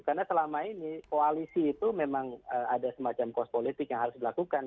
karena selama ini koalisi itu memang ada semacam kos politik yang harus dilakukan